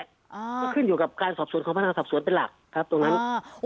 ก็ขึ้นอยู่กับการสอบสวนของพนักงานสอบสวนเป็นหลักครับตรงนั้น